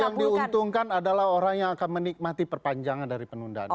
yang diuntungkan adalah orang yang akan menikmati perpanjangan dari penundaan